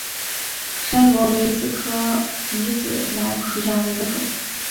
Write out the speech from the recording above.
山椤为楝科米仔兰属下的一个种。